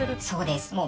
そうです。